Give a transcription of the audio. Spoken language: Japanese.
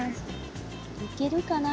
いけるかな？